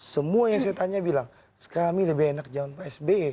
semua yang saya tanya bilang kami lebih enak zaman pak sby